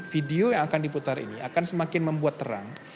video yang akan diputar ini akan semakin membuat terang